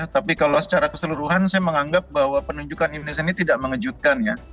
tapi kalau secara keseluruhan saya menganggap bahwa penunjukan indonesia ini tidak mengejutkan ya